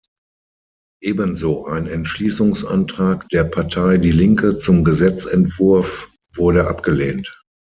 Ebenso ein Entschließungsantrag der Partei Die Linke zum Gesetzentwurf wurde abgelehnt.